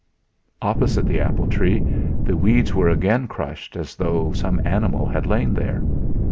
"Opposite the apple tree the weeds were again crushed as though some animal had lain there.